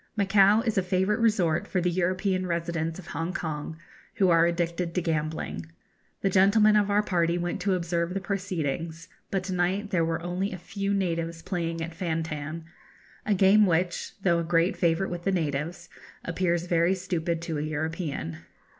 Macao is a favourite resort for the European residents of Hongkong who are addicted to gambling. The gentlemen of our party went to observe the proceedings, but to night there were only a few natives playing at fan tan a game which, though a great favourite with the natives, appears very stupid to a European.